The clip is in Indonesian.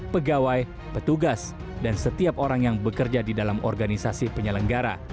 pegawai petugas dan setiap orang yang bekerja di dalam organisasi penyelenggara